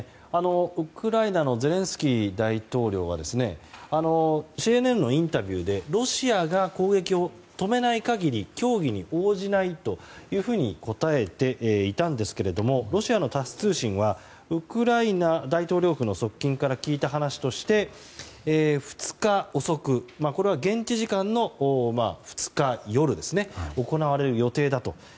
ウクライナのゼレンスキー大統領はＣＮＮのインタビューでロシアが攻撃を止めない限り協議に応じないというふうに答えていたんですがロシアのタス通信はウクライナ大統領府の側近から聞いた話として２日遅くこれは現地時間の２日夜ですね行われる予定だと。